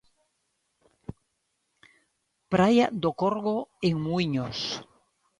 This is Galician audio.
Praia do Corgo en Muíños.